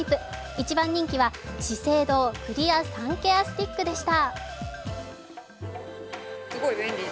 一番人気はＳＨＩＳＥＩＤＯクリアサンケアスティックでした。